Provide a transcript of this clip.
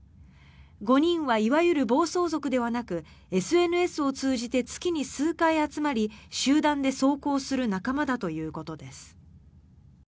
５人はいわゆる暴走族ではなくＳＮＳを通じて月に数回集まり集団で走行する仲間だということです。